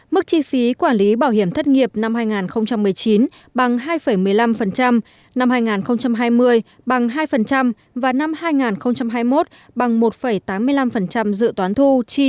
mức chi phí quản lý bảo hiểm thất nghiệp năm hai nghìn một mươi chín bằng hai một mươi năm năm hai nghìn hai mươi bằng hai và năm hai nghìn hai mươi một bằng một tám mươi năm dự toán thu chi